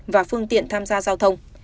và phương tiện tham gia giao thông